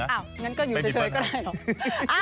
งั้นก็อยู่เฉยก็ได้หรอก